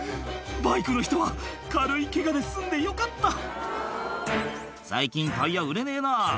バイクの人は軽いケガで済んでよかった「最近タイヤ売れねえな」